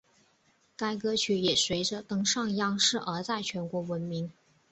该歌曲也随着登上央视而在全国出名。